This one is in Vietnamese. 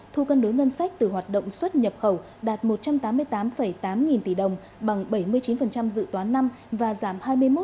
thu cân đối ngân sách từ hoạt động xuất nhập khẩu đạt một trăm tám mươi tám tám nghìn tỷ đồng bằng bảy mươi chín dự toán năm và giảm hai mươi một chín